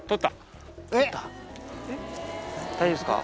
大丈夫ですか。